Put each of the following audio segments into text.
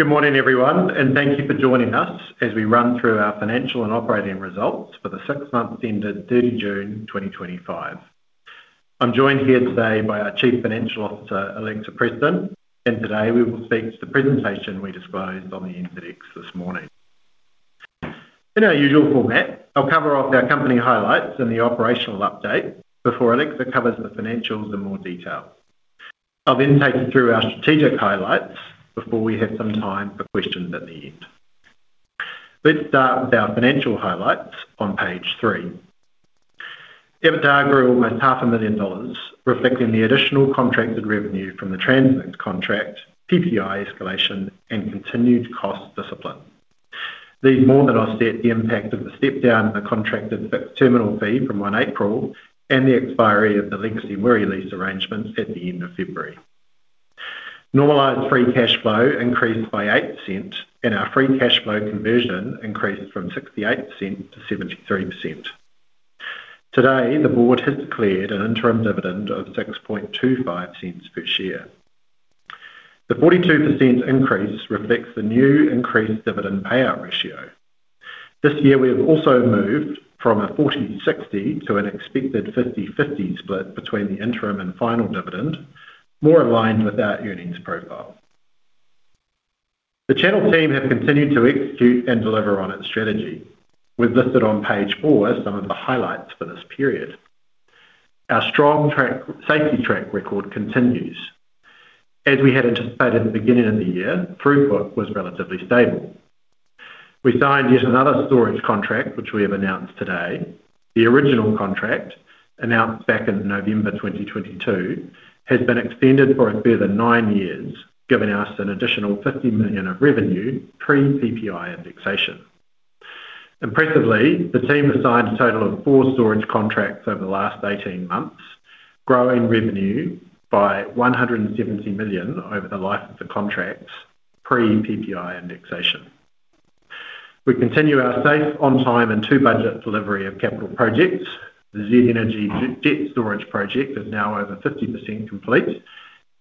Good morning, everyone, and thank you for joining us as we run through our financial and operating results for the six months ended 30 June 2025. I'm joined here today by our Chief Financial Officer, Alexa Preston, and today we will speak to the presentation we disclosed on the NZX this morning. In our usual format, I'll cover off our company highlights and the operational update before Alexa covers the financials in more detail. I'll then take you through our strategic highlights before we have some time for questions at the end. Let's start with our financial highlights on page three. We have a downgrade of almost 0.5 million dollars, reflecting the additional contracted revenue from the transit contract, PPI escalation, and continued cost discipline. These more than offset the impact of the step down in the contracted terminal fee from 1 April and the expiry of the lengthy Wiri land and terminal leases arrangement at the end of February. Normalized free cash flow increased by 0.08, and our free cash flow conversion increased from 0.68-0.73. Today, the board has declared an interim dividend of 0.0625 per share. The 42% increase reflects the new increased dividend payout ratio. This year, we have also moved from a 40/60 to an expected 50/50 split between the interim and final dividend, more aligned with our earnings profile. The Channel team has continued to execute and deliver on its strategy, with listed on page four as some of the highlights for this period. Our strong safety track record continues. As we had anticipated in the beginning of the year, throughput was relatively stable. We signed yet another storage contract, which we have announced today. The original contract, announced back in November 2022, has been extended for a further nine years, giving us an additional 50 million of revenue pre-PPI indexation. Impressively, the team has signed a total of four storage contracts over the last 18 months, growing revenue by 170 million over the life of the contracts pre-PPI indexation. We continue our safe, on-time, and to-budget delivery of capital projects. The ZEUS Energy jet storage project is now over 50% complete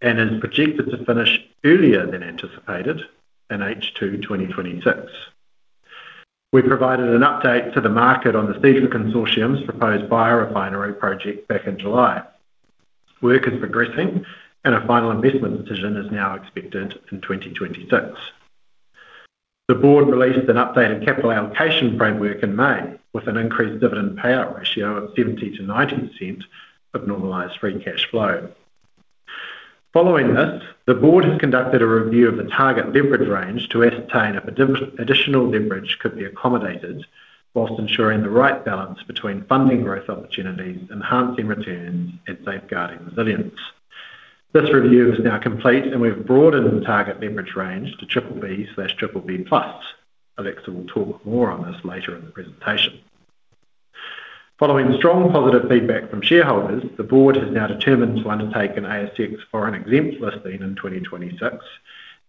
and is projected to finish earlier than anticipated in H2 2026. We provided an update to the market on the Seadra Consortium's proposed biorefinery project back in July. Work is progressing, and a final investment decision is now expected in 2026. The board released an updated capital allocation framework in May, with an increased dividend payout ratio of 70%-90% of normalized free cash flow. Following this, the board has conducted a review of the target leverage range to ascertain if additional leverage could be accommodated, whilst ensuring the right balance between funding growth opportunities, enhancing returns, and safeguarding resilience. This review is now complete, and we've broadened the target leverage range to BBB/BBB+. Alexa will talk more on this later in the presentation. Following strong positive feedback from shareholders, the board has now determined to undertake an ASX foreign exempt listing in 2026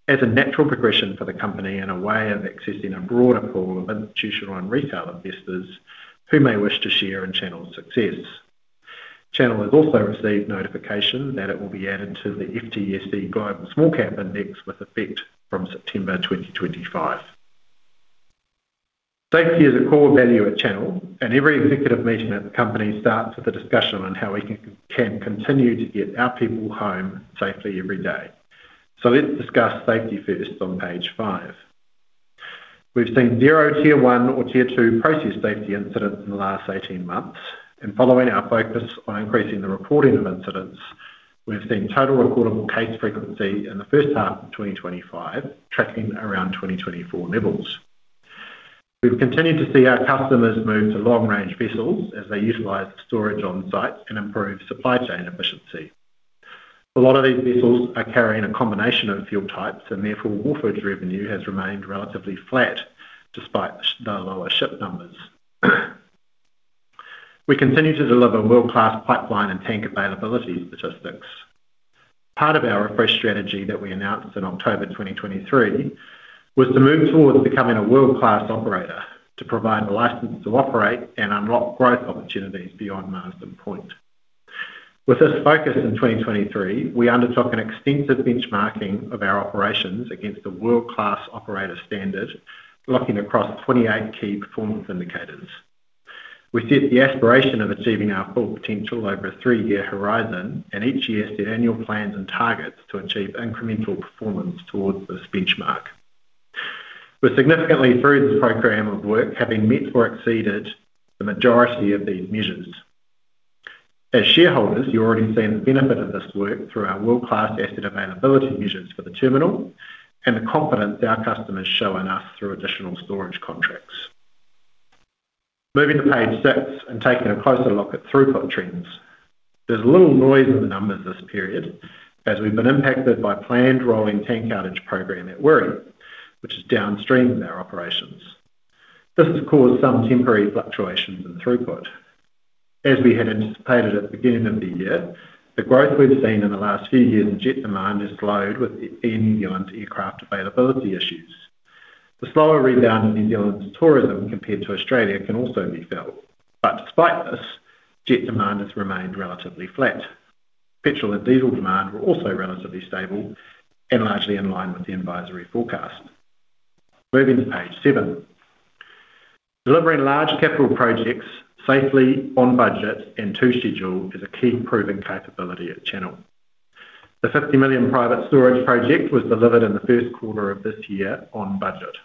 as a natural progression for the company and a way of accessing a broader pool of institutional and retail investors who may wish to share in Channel's success. Channel has also received notification that it will be added to the FTSE Global Small Cap Index with effect from September 2025. Safety is a core value at Channel, and every executive meeting at the company starts with a discussion on how we can continue to get our people home safely every day. Let's discuss safety first on page five. We've seen zero Tier 1 or Tier 2 process safety incidents in the last 18 months, and following our focus on increasing the reporting of incidents, we've seen total recordable case frequency in the first half of 2025, tracking around 2024 levels. We've continued to see our customers move to long-range vessels as they utilize storage on-site and improve supply chain efficiency. A lot of these vessels are carrying a combination of fuel types, and therefore wharfage revenue has remained relatively flat despite the lower ship numbers. We continue to deliver world-class pipeline and tank availability statistics. Part of our refresh strategy that we announced in October 2023 was to move forward to becoming a world-class operator to provide the license to operate and unlock growth opportunities beyond Marsden Point. With this focus in 2023, we undertook an extensive benchmarking of our operations against the world-class operator standard, looking across 28 key performance indicators. We set the aspiration of achieving our full potential over a three-year horizon, and each year set annual plans and targets to achieve incremental performance towards this benchmark. We're significantly through this program of work, having met or exceeded the majority of these measures. As shareholders, you already see an input of this work through our world-class asset availability measures for the terminal and the confidence our customers show in us through additional storage contracts. Moving to page six and taking a closer look at throughput trends, there's a little noise in the numbers this period as we've been impacted by a planned rolling tank outage program at Wiri, which is downstream of our operations. This has caused some temporary fluctuations in throughput. As we had anticipated at the beginning of the year, the growth we've seen in the last few years in jet demand has slowed with the endurance aircraft availability issues. The slower rebound in endurance tourism compared to Australia can also be felt, yet despite this, jet demand has remained relatively flat. Petrol and diesel demand were also relatively stable and largely in line with the advisory forecast. Moving to page seven, delivering large capital projects safely, on budget, and to schedule is a key improving capability at Channel. The 50 million private storage project was delivered in the first quarter of this year on budget.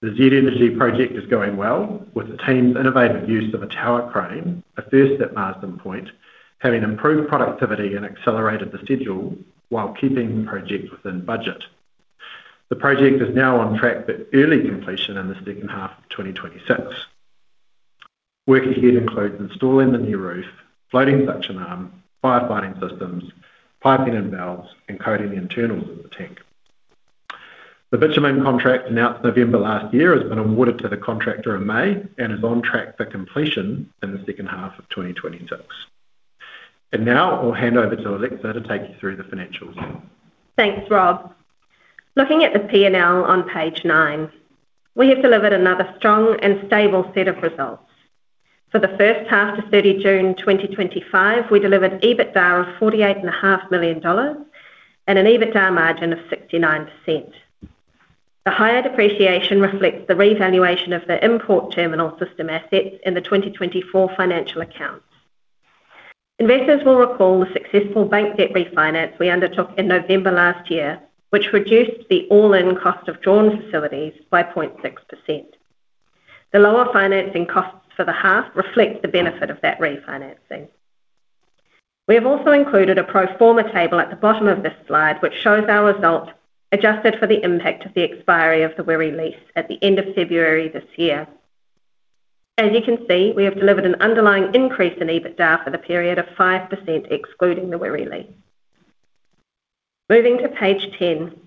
The ZEUS Energy project is going well, with the team's innovative use of a tower crane, a first at Marsden Point, having improved productivity and accelerated the schedule while keeping the project within budget. The project is now on track for early completion in the second half of 2026. Work ahead includes installing the new roof, floating suction arm, fire binding systems, piping, and valves, and coating the internals of the tank. The bitumen import terminal contract announced November last year has been awarded to the contractor in May and is on track for completion in the second half of 2026. Now I'll hand over to Alexa Preston to take you through the financials. Thanks, Rob. Looking at the P&L on page nine, we have delivered another strong and stable set of results. For the first half to 30 June 2025, we delivered EBITDA of 48.5 million dollars and an EBITDA margin of 69%. The higher depreciation reflects the revaluation of the import terminal system assets in the 2024 financial account. Investors will recall the successful bank debt refinance we undertook in November last year, which reduced the all-in cost of drawing facilities by 0.6%. The lower financing costs for the half reflect the benefit of that refinancing. We have also included a proforma table at the bottom of this slide, which shows our results adjusted for the impact of the expiry of the Wiri land and terminal leases at the end of February this year. As you can see, we have delivered an underlying increase in EBITDA for the period of 5%, excluding the Wiri land and terminal leases. Moving to page 10,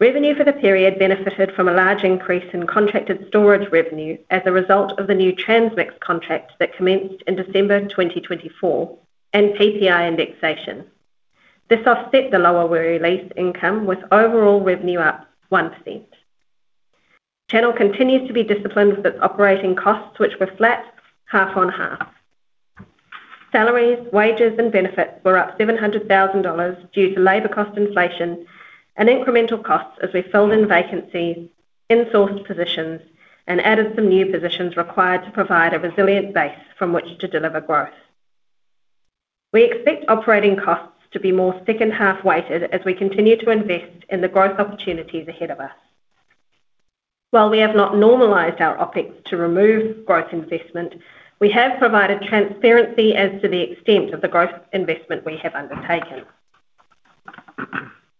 revenue for the period benefited from a large increase in contracted storage revenue as a result of the new transmix contract that commenced in December 2024 and PPI indexation. This offset the lower Wiri land and terminal lease income with overall revenue up 1%. Channel continues to be disciplined with operating costs, which were flat half on half. Salaries, wages, and benefits were up 700,000 dollars due to labor cost inflation and incremental costs as we filled in vacancies, insourced positions, and added some new positions required to provide a resilient base from which to deliver growth. We expect operating costs to be more second-half weighted as we continue to invest in the growth opportunities ahead of us. While we have not normalized our OpEx to remove growth investment, we have provided transparency as to the extent of the growth investment we have undertaken.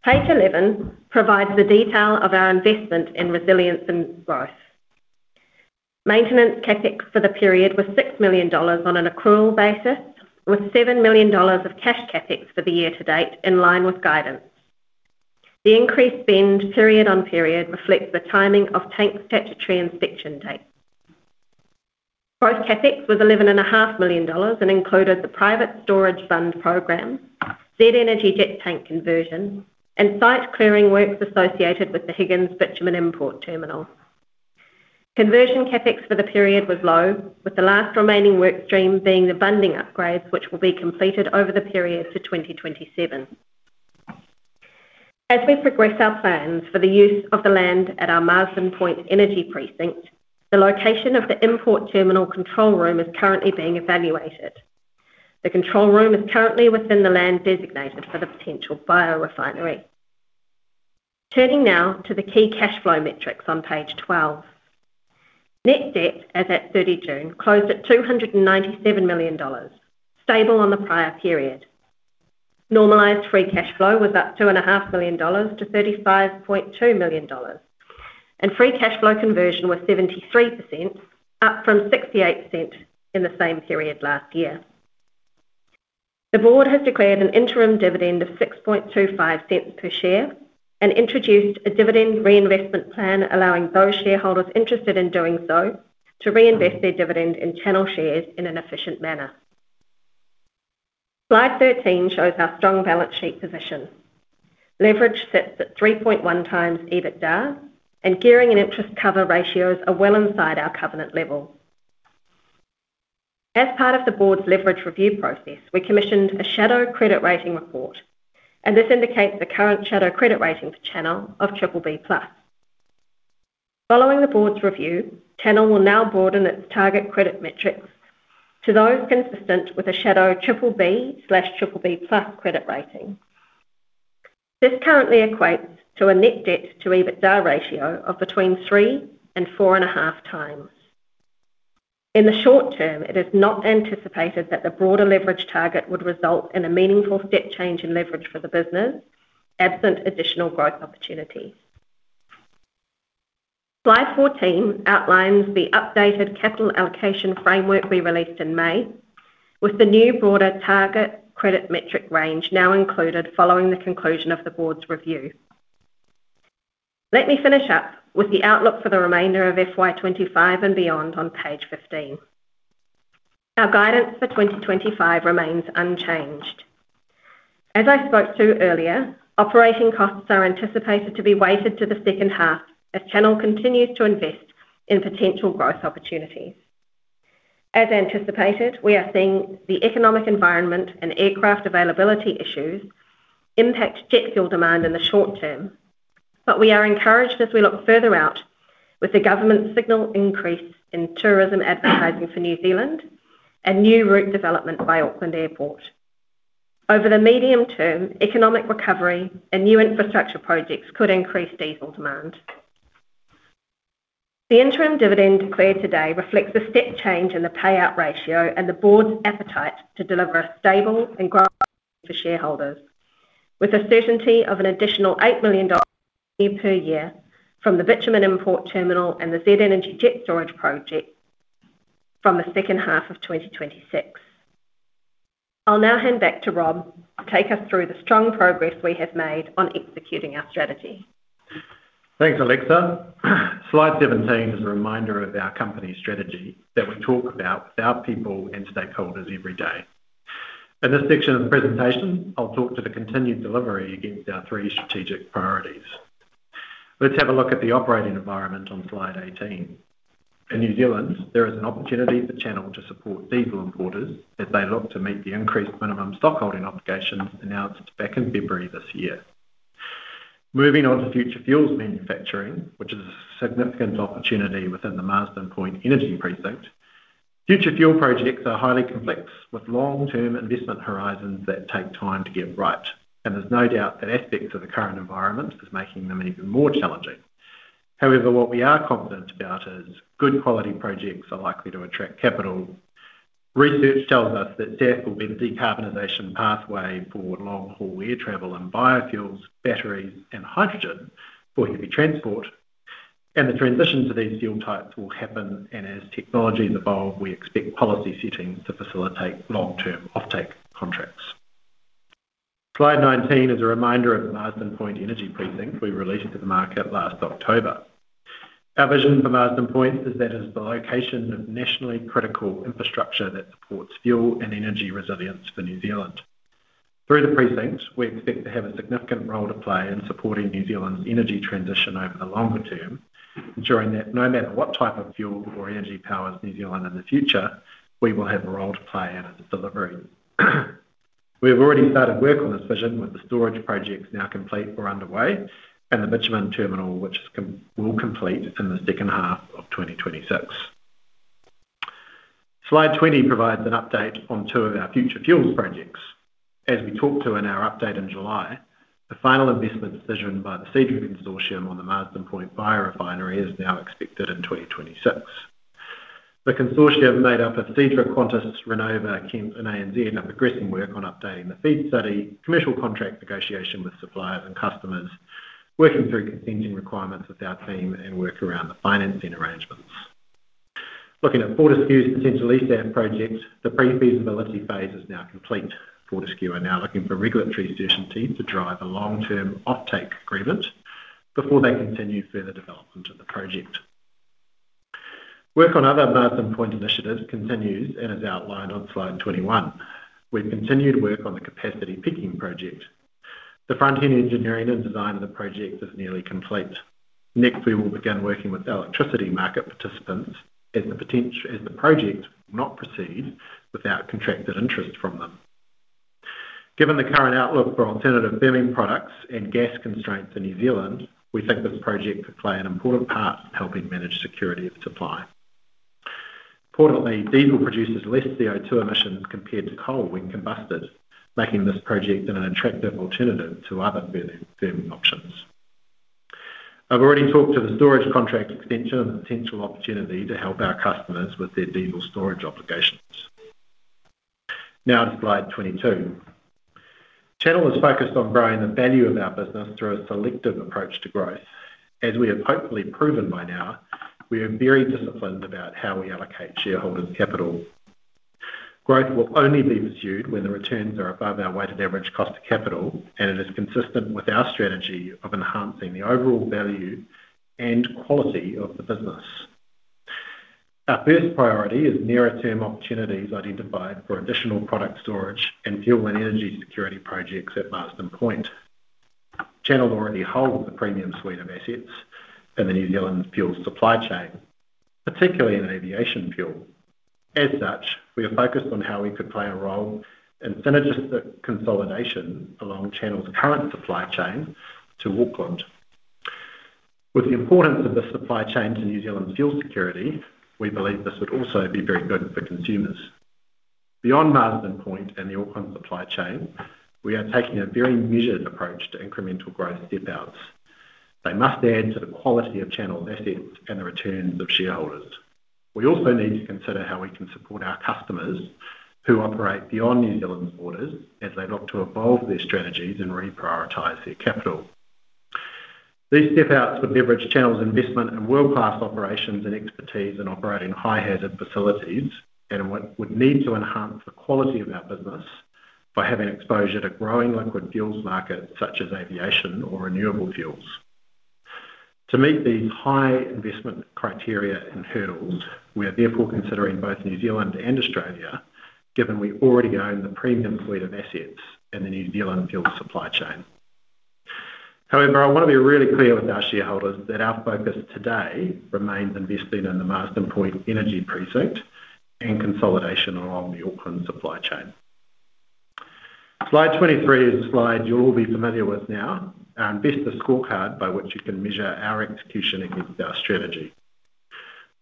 Page 11 provides the detail of our investment in resilience and growth. Maintenance CapEx for the period was 6 million dollars on an accrual basis, with 7 million dollars of cash CapEx for the year to date in line with guidance. The increased spend period on period reflects the timing of tank statutory inspection dates. Growth CapEx was 11.5 million dollars and included the private storage fund program, ZEUS Energy tank conversion, and site clearing works associated with the Higgins bitumen import terminal. Conversion CapEx for the period was low, with the last remaining work stream being the bonding upgrades, which will be completed over the period for 2027. As we progress our plans for the use of the land at our Marsden Point Energy Precinct, the location of the import terminal control room is currently being evaluated. The control room is currently within the land designated for the potential biorefinery. Turning now to the key cash flow metrics on page 12, net debt, as at June 30, closed at 297 million dollars, stable on the prior period. Normalized free cash flow was up 2.5 million dollars to 35.2 million dollars, and free cash flow conversion was 73%, up from 0.68 in the same period last year. The Board has declared an interim dividend of 0.0625 per share and introduced a dividend reinvestment plan allowing those shareholders interested in doing so to reinvest their dividend in Channel shares in an efficient manner. Slide 13 shows our strong balance sheet position. Leverage sits at 3.1x EBITDA, and gearing and interest cover ratios are well inside our covenant level. As part of the Board's leverage review process, we commissioned a shadow credit rating report, and this indicates the current shadow credit rating for Channel of BBB+. Following the Board's review, Channel will now broaden its target credit metrics to those consistent with a shadow BBB/BBB+ credit rating. This currently equates to a net debt to EBITDA ratio of between 3x-4.5x. In the short-term, it is not anticipated that the broader leverage target would result in a meaningful step change in leverage for the business absent additional growth opportunity. Slide 14 outlines the updated capital allocation framework we released in May, with the new broader target credit metric range now included following the conclusion of the Board's review. Let me finish up with the outlook for the remainder of FY 2025 and beyond on page 15. Our guidance for 2025 remains unchanged. As I spoke to earlier, operating costs are anticipated to be weighted to the second half as Channel continues to invest in potential growth opportunities. As anticipated, we are seeing the economic environment and aircraft availability issues impact jet fuel demand in the short-term, but we are encouraged as we look further out with the government's signal increase in tourism advertising for New Zealand and new route development by Auckland Airport. Over the medium term, economic recovery and new infrastructure projects could increase diesel demand. The interim dividend declared today reflects a set change in the payout ratio and the Board's appetite to deliver a stable and growth for shareholders, with a certainty of an additional 8 million dollars per year from the bitumen import terminal and the ZEUS Energy jet storage project from the second half of 2026. I'll now hand back to Rob to take us through the strong progress we have made on executing our strategy. Thanks, Alexa. Slide 17 is a reminder of our company strategy that we talk about with our people and stakeholders every day. In this section of the presentation, I'll talk to the continued delivery against our three strategic priorities. Let's have a look at the operating environment on slide 18. In New Zealand, there is an opportunity for Channel to support diesel importers as they look to meet the increased minimum stockholding obligations announced back in February this year. Moving on to future fuels manufacturing, which is a significant opportunity within the Marsden Point Energy Precinct, future fuel projects are highly complex with long-term investment horizons that take time to get right. There is no doubt that aspects of the current environment are making them even more challenging. However, what we are confident about is good quality projects are likely to attract capital. Research tells us that DEF will be the decarbonization pathway for long-haul air travel and biofuels, batteries, and hydrogen for heavy transport. The transition to these fuel types will happen, and as technologies evolve, we expect policy fittings to facilitate long-term offtake contracts. Slide 19 is a reminder of the Marsden Point Energy Precinct we released to the market last October. Our vision for Marsden Point is that it is the location of nationally critical infrastructure that supports fuel and energy resilience for New Zealand. Through the precinct, we expect to have a significant role to play in supporting New Zealand's energy transition over the longer term, ensuring that no matter what type of fuel or energy powers New Zealand in the future, we will have a role to play in its delivery. We have already started work on this vision, with the storage projects now complete or underway and the bitumen import terminal, which will complete in the second half of 2026. Slide 20 provides an update on two of our future fuels projects. As we talked to in our update in July, the final investment decision by the Seadra Consortium on the Marsden Point biorefinery is now expected in 2026. The consortium made up of Seadra Quantis, Renova, Kemp, and ANZ are progressing work on updating the feed study, commercial contract negotiation with suppliers and customers, working through contingent requirements with our team, and work around the financing arrangements. Looking at Fortescue's essential eStaff project, the pre-feasibility phase is now complete. Fortescue are now looking for regulatory deficiencies to drive a long-term offtake agreement before they continue further development of the project. Work on other Marsden Point initiatives continues and is outlined on slide 21. We've continued work on the capacity picking project. The front-end engineering and design of the project is nearly complete. Next, we will begin working with the electricity market participants as the project will not proceed without contracted interest from them. Given the current outlook for alternative burning products and gas constraints in New Zealand, we think this project could play an important part in helping manage security of supply. Importantly, diesel produces less CO2 emissions compared to coal when combusted, making this project an attractive alternative to other burning options. I've already talked to the storage contract extension and the potential opportunity to help our customers with their diesel storage obligations. Now to slide 22. Channel is focused on growing the value of our business through a selective approach to growth. As we have hopefully proven by now, we are very disciplined about how we allocate shareholders' capital. Growth will only be pursued when the returns are above our weighted average cost of capital, and it is consistent with our strategy of enhancing the overall value and quality of the business. Our first priority is nearer-term opportunities identified for additional product storage and fuel and energy security projects at Marsden Point. Channel already holds the premium suite of assets in the New Zealand fuel supply chain, particularly in aviation fuel. As such, we have focused on how we could play a role in synergistic consolidation along Channel's current supply chain to Auckland. With the importance of the supply chain to New Zealand's fuel security, we believe this would also be very good for consumers. Beyond Marsden Point and the Auckland supply chain, we are taking a very measured approach to incremental growth step outs. They must add to the quality of Channel's assets and the returns of shareholders. We also need to consider how we can support our customers who operate beyond New Zealand's borders as they look to evolve their strategies and reprioritize their capital. These step outs would leverage Channel's investment in world-class operations and expertise in operating high-hazard facilities and would need to enhance the quality of our business by having exposure to growing liquid fuels markets such as aviation or renewable fuels. To meet these high investment criteria and hurdles, we are therefore considering both New Zealand and Australia, given we already own the premium suite of assets in the New Zealand fuel supply chain. However, I want to be really clear with our shareholders that our focus today remains investing in the Marsden Point Energy Precinct and consolidation along the Auckland supply chain. Slide 23 is a slide you'll all be familiar with now. Our investor scorecard by which you can measure our execution against our strategy.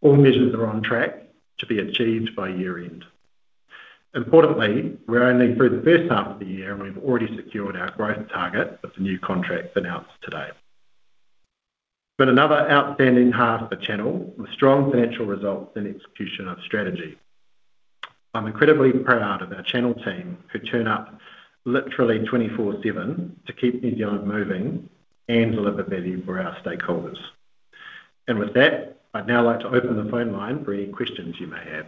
All measures are on track to be achieved by year-end. Importantly, we're only through the first half of the year, and we've already secured our growth targets with the new contracts announced today. We've got another outstanding half for Channel with strong financial results and execution of strategy. I'm incredibly proud of our Channel team who turn up literally 24/7 to keep New Zealand moving and deliver value for our stakeholders. With that, I'd now like to open the phone line for any questions you may have.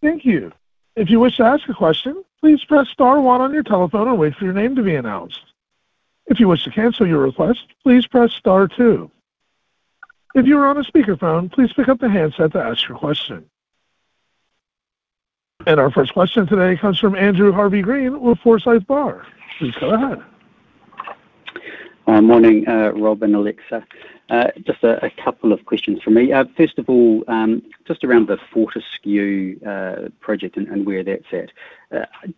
Thank you. If you wish to ask a question, please press star one on your telephone and wait for your name to be announced. If you wish to cancel your request, please press star two. If you are on a speaker phone, please pick up the handset to ask your question. Our first question today comes from Andrew Harvey-Green with Forsyth Barr. Go ahead. Morning, Rob and Alexa. Just a couple of questions from me. First of all, just around the Fortescue project and where that's at,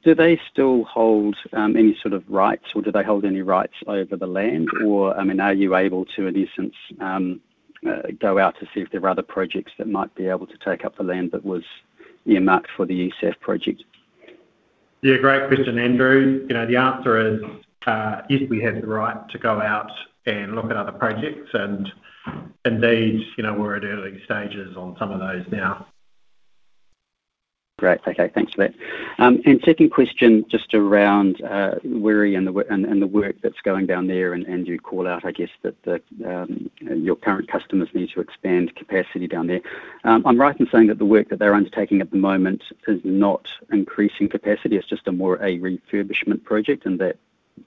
do they still hold any sort of rights or do they hold any rights over the land? I mean, are you able to, in essence, go out to see if there are other projects that might be able to take up the land that was earmarked for the UCF project? Yeah, great question, Andrew. The answer is yes, we have the right to go out and look at other projects, and indeed, we're at early stages on some of those now. Great. Okay, thanks for that. Second question, just around Wiri and the work that's going down there, and Andrew called out, I guess, that your current customers need to expand capacity down there. I'm right in saying that the work that they're undertaking at the moment is not increasing capacity. It's just a more refurbishment project, and that,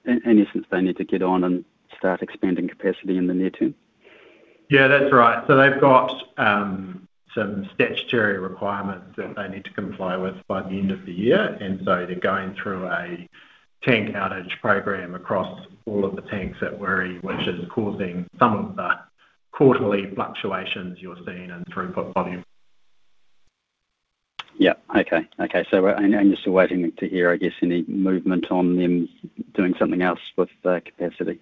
in essence, they need to get on and start expanding capacity in the near term. Yeah, that's right. They've got some statutory requirements that they need to comply with by the end of the year, and they're going through a tank outage program across all of the tanks at Wiri, which is causing some of the quarterly fluctuations you're seeing in throughput volume. Okay, so I'm just awaiting to hear, I guess, any movement on them doing something else with their capacity.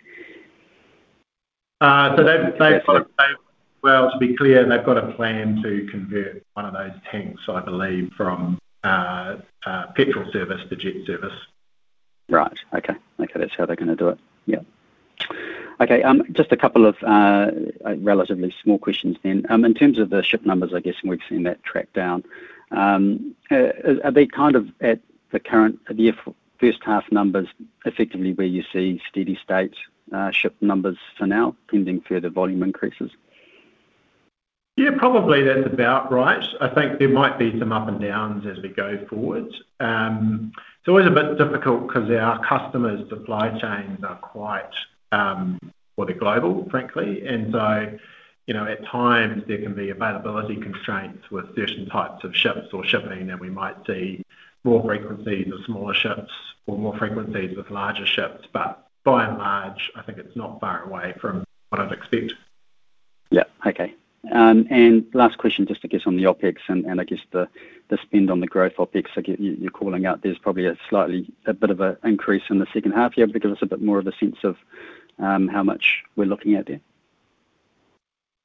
They've got a plan to convert one of those tanks, I believe, from petrol service to jet service. Right, okay. That's how they're going to do it. Yeah. Okay, just a couple of relatively small questions then. In terms of the ship numbers, I guess we've seen that track down. Are they kind of at the current, the first half numbers effectively where you see steady state ship numbers for now, pending further volume increases? Yeah, probably that's about right. I think there might be some ups and downs as we go forward. It's always a bit difficult because our customers' supply chains are quite, well, they're global, frankly. At times there can be availability constraints with certain types of ships or shipping, and we might see more frequencies with smaller ships or more frequencies with larger ships. By and large, I think it's not far away from what I'd expect. Okay. Last question, just on the OpEx and the spend on the growth OpEx, you're calling out there's probably a slightly a bit of an increase in the second half. Are you able to give us a bit more of a sense of how much we're looking at there?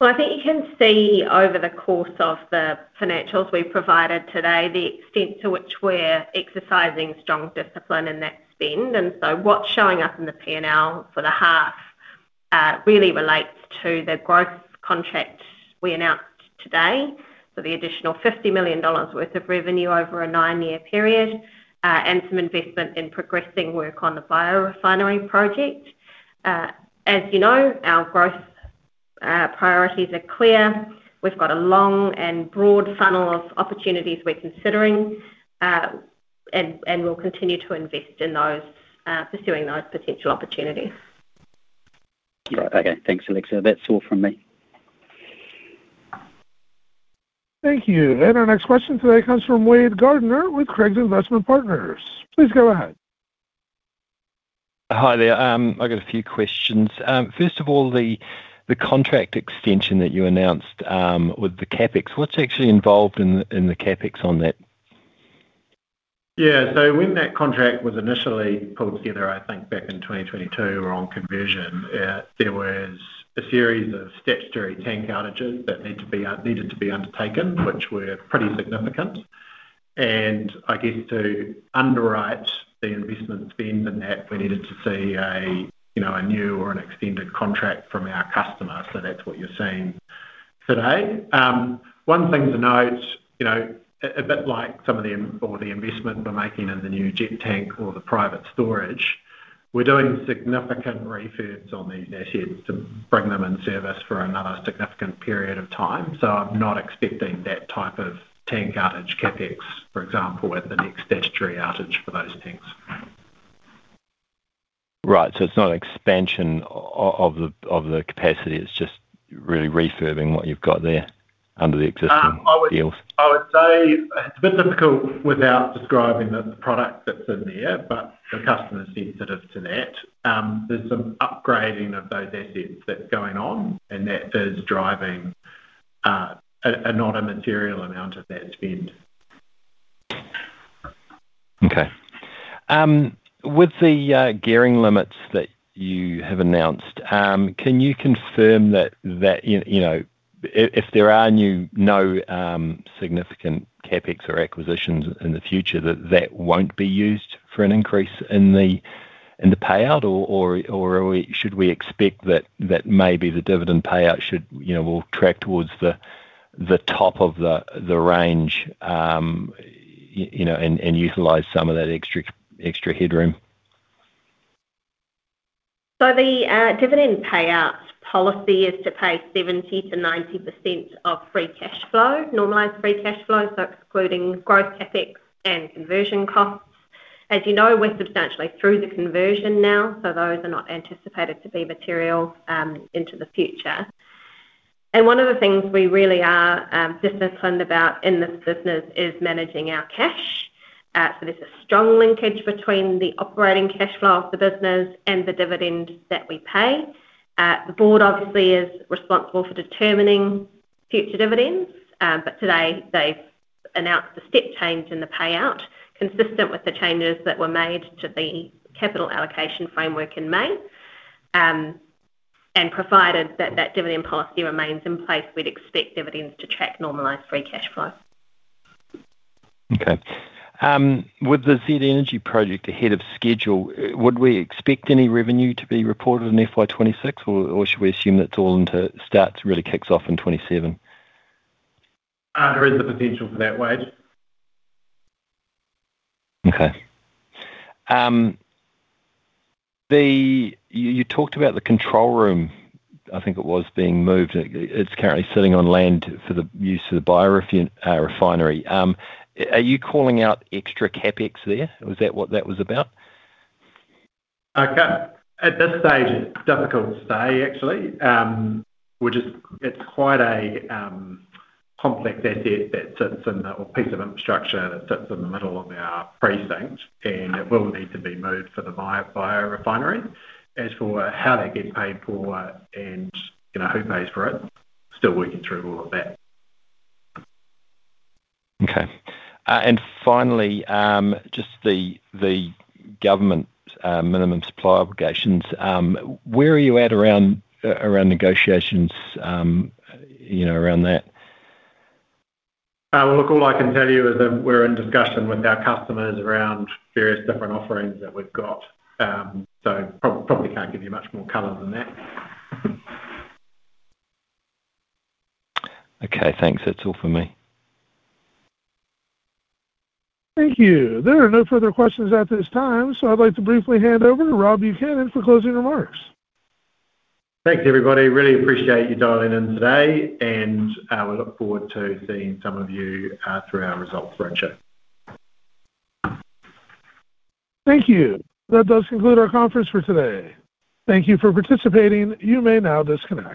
I think you can see over the course of the financials we've provided today the extent to which we're exercising strong discipline in that spend. What's showing up in the P&L for the half really relates to the growth contracts we announced today for the additional 50 million dollars worth of revenue over a nine-year period and some investment in progressing work on the biorefinery project. As you know, our growth priorities are clear. We've got a long and broad funnel of opportunities we're considering, and we'll continue to invest in those, pursuing those potential opportunities. Yeah, okay. Thanks, Alexa. That's all from me. Thank you. Our next question today comes from Wade Gardiner with Craigs Investment Partners. Please go ahead. Hi there. I've got a few questions. First of all, the contract extension that you announced with the CapEx, what's actually involved in the CapEx on that? When that contract was initially pulled together, I think back in 2022 or on conversion, there was a series of statutory tank outages that needed to be undertaken, which were pretty significant. To underwrite the investment spend in that, we needed to see a new or an extended contract from our customer. That's what you're seeing today. One thing to note, a bit like some of the investment we're making in the new jet tank or the private storage, we're doing significant refurbs on these assets to bring them in service for another significant period of time. I'm not expecting that type of tank outage CapEx, for example, at the next statutory outage for those tanks. Right, so it's not an expansion of the capacity. It's just really refurbing what you've got there under the existing fuels. I would say it's a bit difficult without describing the product that's in there, but the customer is sensitive to that. There's some upgrading of those assets that's going on, and that is driving a material amount of that spend. Okay. With the gearing limits that you have announced, can you confirm that, if there are no significant CapEx or acquisitions in the future, that that won't be used for an increase in the payout? Or should we expect that maybe the dividend payout will track towards the top of the range and utilize some of that extra headroom? The dividend payout policy is to pay 70%-90% of free cash flow, normalized free cash flow, so excluding growth CapEx and conversion costs. As you know, we're substantially through the conversion now, so those are not anticipated to be material into the future. One of the things we really are disciplined about in this business is managing our cash. There's a strong linkage between the operating cash flow of the business and the dividend that we pay. The Board obviously is responsible for determining future dividends, but today they've announced a step change in the payout, consistent with the changes that were made to the capital allocation framework in May. Provided that that dividend policy remains in place, we'd expect dividends to track normalized free cash flow. Okay. With the Seadra Energy project ahead of schedule, would we expect any revenue to be reported in FY 2026, or should we assume that's all until it really kicks off in 2027? There is the potential for that, Wade. Okay. You talked about the control room, I think it was being moved. It's currently sitting on land for the use of the biorefinery. Are you calling out extra CapEx there? Was that what that was about? At this stage, it's difficult to say, actually. It's quite a complex asset that sits in the, or piece of infrastructure that sits in the middle of our precinct, and it will need to be moved for the biorefinery. As for how that gets paid for and who pays for it, still working through all of that. Okay. Finally, just the government minimum stockholding obligations. Where are you at around negotiations around that? All I can tell you is that we're in discussion with our customers around various different offerings that we've got. I probably can't give you much more color than that. Okay, thanks. That's all for me. Thank you. There are no further questions at this time, so I'd like to briefly hand over to Rob Buchanan for closing remarks. Thanks, everybody. Really appreciate you dialing in today, and we look forward to seeing some of you through our results run show. Thank you. That does conclude our conference for today. Thank you for participating. You may now disconnect.